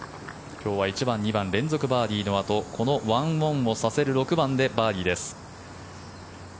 今日は１番、２番連続バーディーのあとこの１オンをさせる６番でバーディーです。